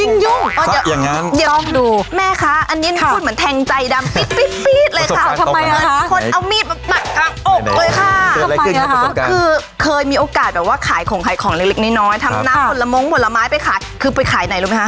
เล็กนิ้นน้อยทำน้ำหมดละม้งหมดละไม้ไปขายคือไปขายไหนรู้ไหมคะ